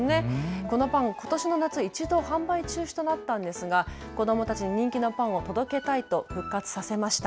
このパン、ことしの夏、１度、販売中止となったんですが子どもたちに人気のパンを届けたいと復活させました。